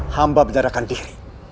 hamba menyerahkan diri